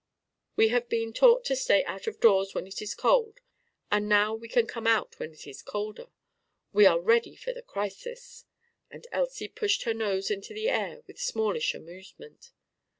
We have been taught to stay out of doors when it is cold; and now we can come out when it is colder. We were ready for the crisis!" and Elsie pushed her nose into the air with smallish amusement.